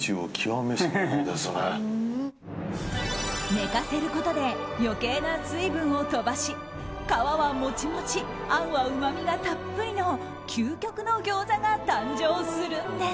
寝かせることで余計な水分を飛ばし皮はモチモチあんは、うまみがたっぷりの究極の餃子が誕生するんです！